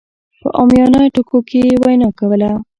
په عاميانه ټکو کې يې وينا کوله.